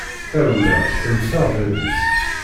Tarewla tenfeε bab-is.